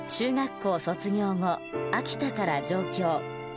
中学校卒業後秋田から上京。